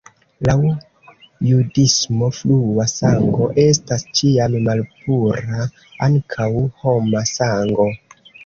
Laŭ judismo flua sango estas ĉiam malpura, ankaŭ homa sango.